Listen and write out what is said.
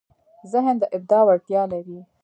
ذهن د ابداع وړتیا لري.